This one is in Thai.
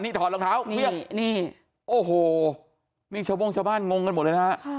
นี่ถอดรองเท้าเครื่องนี่โอ้โหนี่ชาวโบ้งชาวบ้านงงกันหมดเลยนะฮะ